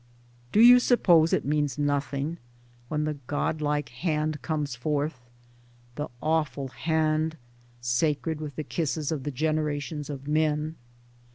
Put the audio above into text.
Do you suppose it means nothing when the godlike Hand comes forth — the awful hand, sacred with the kisses of the generations of men?